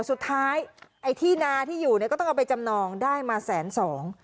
สุดท้ายไอ้ที่นาที่อยู่เนี่ยก็ต้องเอาไปจำนองได้มาแสนสอง